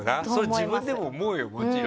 自分でも思うよ、もちろん。